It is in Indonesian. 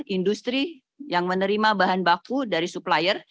industri yang menerima bahan baku dari supplier